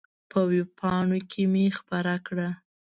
په وېب پاڼو کې مې خپره کړه.